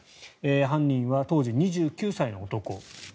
犯人は当時２９歳の男。